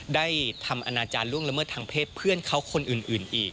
ได้ทำอนาจารย์ล่วงละเมิดทางเพศเพื่อนเขาคนอื่นอีก